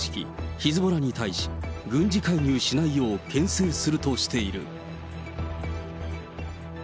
ヒズボラに対し、軍事介入しないよう、けん制するとしている。